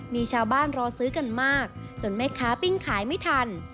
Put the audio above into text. มีชาวบ้านรอซื้อกันมากจนแม่ค้าปิ้งขายไม่ทัน